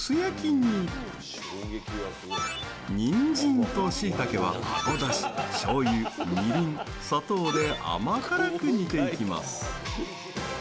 にんじんと、しいたけはアゴだし、しょうゆ、みりん砂糖で甘辛く煮ていきます。